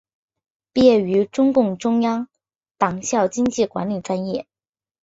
毕业于中共中央党校经济管理专业。